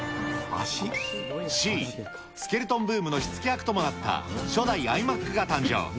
Ｃ、スケルトンブームの火付け役ともなった初代ｉＭａｃが誕生。